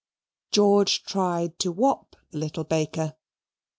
George tried to whop the little baker.